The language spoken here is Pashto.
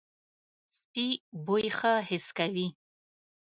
سپي بوی ښه حس کوي.